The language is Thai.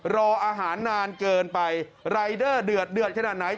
รออาหารนานเกินไปรายเดอร์เดือดเดือดขนาดไหน